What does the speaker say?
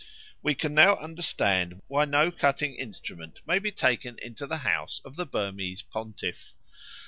We can now understand why no cutting instrument may be taken into the house of the Burmese pontiff.